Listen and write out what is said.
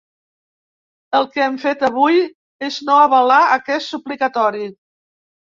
El que hem fet avui és no avalar aquest suplicatori.